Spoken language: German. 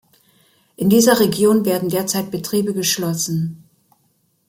In dieser Region werden derzeit Betriebe geschlossen.